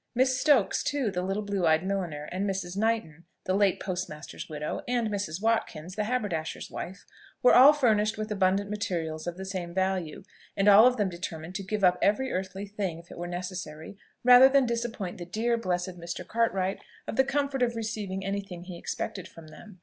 Miss Stokes too, the little blue eyed milliner, and Mrs. Knighton, the late post master's widow, and Mrs. Watkins, the haberdasher's wife, were all furnished with abundant materials of the same value; and all of them determined to give up every earthly thing, if it were necessary, rather than disappoint the dear, blessed Mr. Cartwright of the comfort of receiving any thing he expected from them.